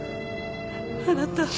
あなた。